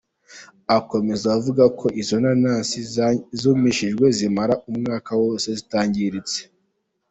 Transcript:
Akomeza avuga ko izo nanasi zumishijwe zimara umwaka wose zitangiritse.